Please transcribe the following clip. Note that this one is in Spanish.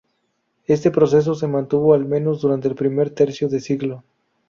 Este proceso se mantuvo, al menos, durante el primer tercio de siglo.